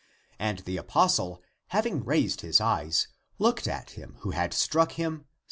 And the apostle, having raised his eyes, looked at him who had struck him.